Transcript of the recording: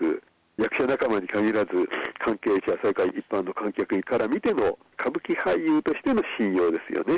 役者仲間にかぎらず、関係者、それから一般の観客から見ても、歌舞伎俳優としての信用ですよね。